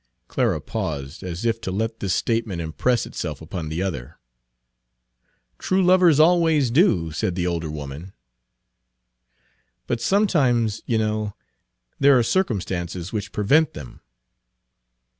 Clara paused, as if to let this statement impress itself upon the other. "True lovers always do," said the elder woman. "But sometimes, you know, there are circumstances which prevent them."